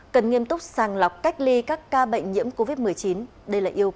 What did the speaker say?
cần nghiêm túc sàng lọc cách ly các ca bệnh nhiễm covid một mươi chín